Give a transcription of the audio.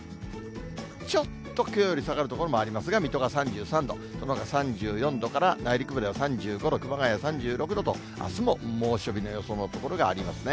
ちょっときょうより下がる所もありますが、水戸が３３度、そのほか３４度から、内陸部では３５度、熊谷３６度と、あすも猛暑日の予想の所がありますね。